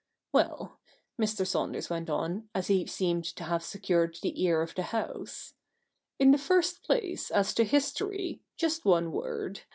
Well,' Mr. Saunders went on, as he seemed to have secured the ear of the house, ' in the first place as to history, just one word.